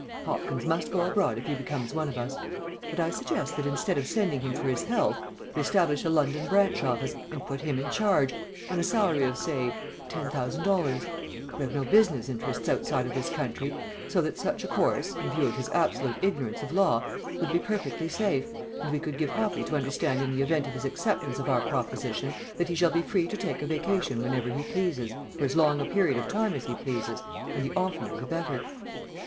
Hopkins must go abroad if he becomes one of us; but I suggest that instead of sending him for his health, we establish a London branch office, and put him in charge on a salary of, say, 10,000 dollars. We have no business interests outside of this country, so that such a course, in view of his absolute ignorance of law, would be perfectly safe, and we could give Hoppy to understand in the event of his acceptance of our proposition that he shall be free to take a vacation whenever he pleases, for as long a period of time as he pleases, and the oftener the better."